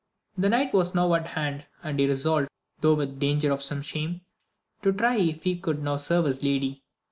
The night was now at hand, and he resolved, though with danger of some shame, to try if he could now serve his lady.